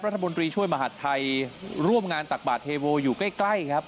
และประธบนตรีช่วยมหัศทัยร่วมงานตักบาทเทโวอยู่ใกล้ครับ